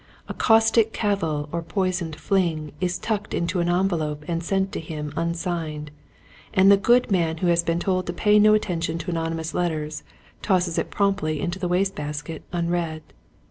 A caustic cavil or poisoned fling is tucked into an envelope and sent to him un signed, and the good man who has been told to pay no attention to anonymous letters, tosses it promptly into the waste basket unread.